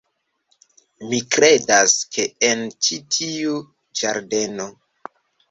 Mi kredas, ke en ĉi tiu ĝardeno...